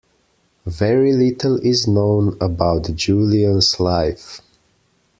Very little is known about Julian's life.